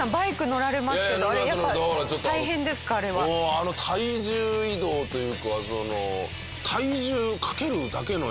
あの体重移動というか。